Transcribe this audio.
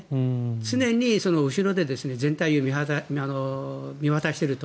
常に後ろで全体を見渡していると。